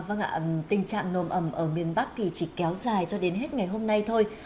vâng ạ tình trạng nồm ẩm ở miền bắc thì chỉ kéo dài cho đến hết ngày hôm nay thôi